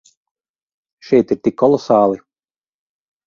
Šeit ir tik kolosāli.